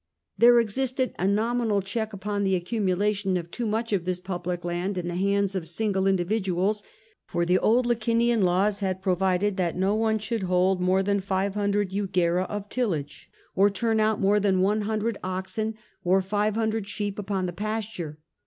There existed a nominal check upon the accumulation of too much of this public land in the hands of single individuals, for the old Licinian laws had provided that no one should hold more than 500 jugera of tillage, or turn out more than 100 oxen or 500 sheep upon the pasture.